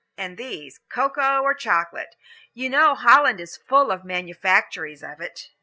And these, cocoa or chocolate. You know Holland is full of manufactories of it."